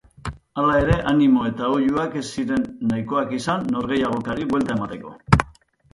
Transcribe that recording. Hala ere, animo eta oihuak ez ziren nahikoak izan norgehiagokari buelta emateko.